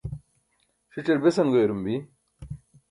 ṣic̣ar besan goyarum bi?